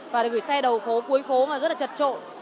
và để gửi xe đầu phố cuối phố mà rất là chật trội